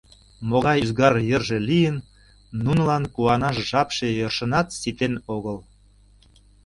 Могай ӱзгар йырже лийын, нунылан куанаш жапше йӧршынат ситен огыл.